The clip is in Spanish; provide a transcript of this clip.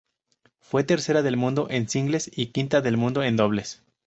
Fue tercera del mundo en singles y quinta del mundo en dobles.